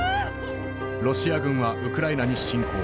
ロシア軍はウクライナに侵攻。